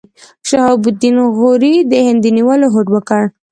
شهاب الدین غوري د هند د نیولو هوډ وکړ.